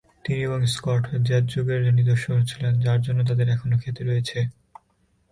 তিনি এবং Scott jazz যুগের নিদর্শন ছিলেন, যার জন্য তাদের এখনো খ্যাতি রয়েছে।